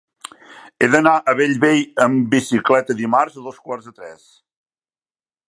He d'anar a Bellvei amb bicicleta dimarts a dos quarts de tres.